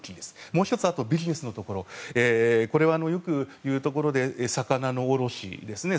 もう１つビジネスのところこれはよくいうところで魚の卸ですね。